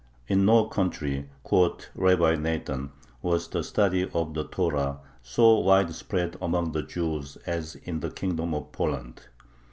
In no country quoth Rabbi Nathan was the study of the Torah so widespread among the Jews as in the Kingdom of Poland.